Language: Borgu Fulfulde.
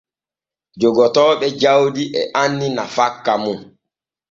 Jogotooɓe jawdi e anni nafakka mum.